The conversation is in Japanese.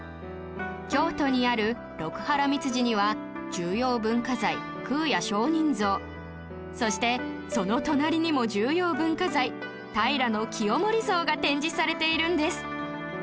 京都にある六波羅蜜寺には重要文化財空也上人像そしてその隣にも重要文化財平清盛像が展示されているんです